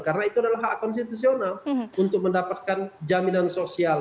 karena itu adalah hak konstitusional untuk mendapatkan jaminan sosial